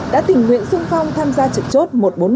đã tình nguyện sung phong tham gia trực chốt một trăm bốn mươi ba